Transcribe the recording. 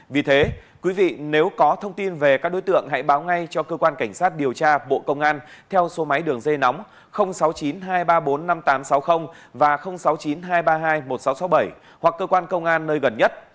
vì thế quý vị nếu có thông tin về các đối tượng hãy báo ngay cho cơ quan cảnh sát điều tra bộ công an theo số máy đường dây nóng sáu mươi chín hai trăm ba mươi bốn năm nghìn tám trăm sáu mươi và sáu mươi chín hai trăm ba mươi hai một nghìn sáu trăm sáu mươi bảy hoặc cơ quan công an nơi gần nhất